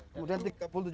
kemudian tiga puluh persen